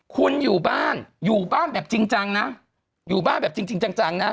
คุณอยู่บ้านอยู่บ้านแบบจริงจังนะอยู่บ้านแบบจริงจังนะ